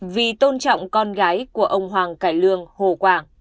vì tôn trọng con gái của ông hoàng cải lương hồ quảng